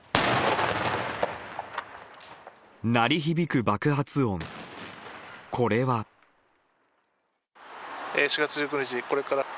鳴り響く爆発音、これは。